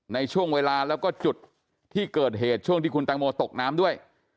ในช่วงเวลาแล้วก็จุดที่เกิดเหตุช่วงที่คุณแตงโมตกน้ำด้วย